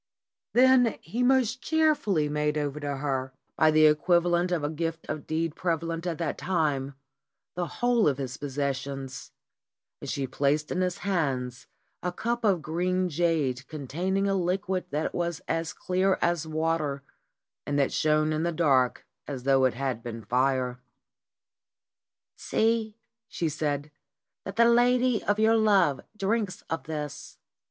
Then he most cheerfully made over to her, by the equivalent of a deed of gift prevalent at that time, the whole of his possessions, and she placed in his hands a cup of green jade containing a liquid that was as clear as water, and that shone in the dark as though it had been fire. "See," she said, "that the lady of your love drinks of this.